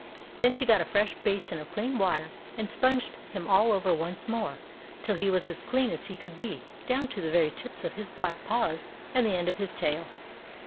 Then she got a fresh basin of clean water and sponged him all over once more, till he was as clean as he could be, down to the very tips of his black paws and the end of his tail.